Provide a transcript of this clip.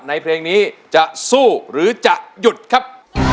เพลงนี้จะสู้หรือจะหยุดครับ